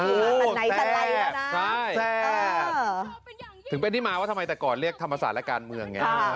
อันไหนก็ไล่แล้วนะถึงเป็นที่มาว่าทำไมแต่ก่อนเรียกธรรมศาสตร์และการเมืองเนี่ย